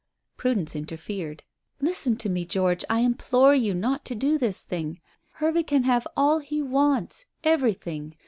Prudence interfered. "Listen to me, George. I implore you not to do this thing. Hervey can have all he wants everything.